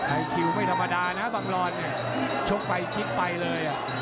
ไอคิวไม่ธรรมดานะบังรอนชกไปพลิกไปเลย